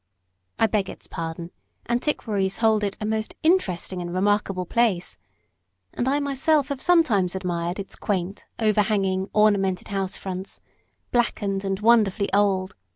I beg its pardon; antiquaries hold it a most "interesting and remarkable" place: and I myself have sometimes admired its quaint, overhanging, ornamented house fronts blackened, and wonderfully old.